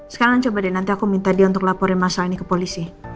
sekarang coba deh nanti aku minta dia untuk laporin masalah ini ke polisi